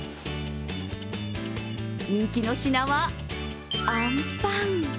人気の品はあんパン。